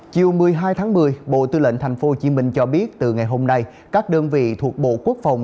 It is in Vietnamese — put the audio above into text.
chiều một mươi hai tháng một mươi bộ tư lệnh tp hcm cho biết từ ngày hôm nay các đơn vị thuộc bộ quốc phòng